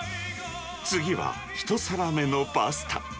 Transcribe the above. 次は１皿目のパスタ。